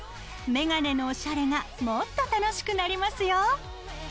メガネのおしゃれがもっと楽しくなりますよ。